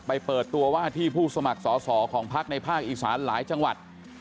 เปิดตัวว่าที่ผู้สมัครสอสอของพักในภาคอีสานหลายจังหวัด